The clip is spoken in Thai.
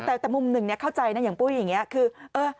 แต่มุมหนึ่งเข้าใจนะคือ